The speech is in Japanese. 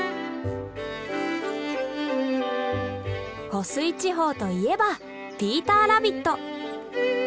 湖水地方といえばピーターラビット。